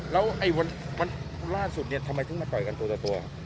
แล้วไอ้วันล่าสุดเนี่ยทำไมถึงมาต่อยกันตัวละตัว